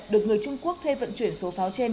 được người trung quốc thuê vận chuyển số pháo trên